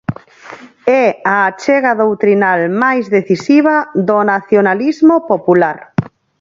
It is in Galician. É a achega doutrinal máis decisiva do nacionalismo popular.